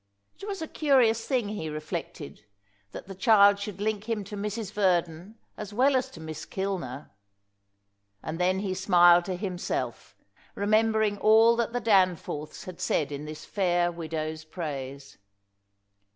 It was a curious thing, he reflected, that the child should link him to Mrs. Verdon as well as to Miss Kilner. And then he smiled to himself, remembering all that the Danforths had said in this fair widow's praise.